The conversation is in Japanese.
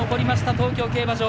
東京競馬場。